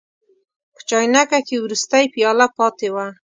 په چاینکه کې وروستۍ پیاله پاتې وه.